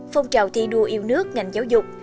phong trào thi đua yêu nước ngành giáo dục